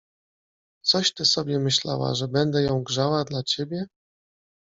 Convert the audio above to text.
— Coś ty sobie myślała, że będę ją grzała dla ciebie?